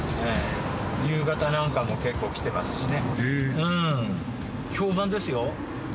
夕方なんかも結構来てますしね。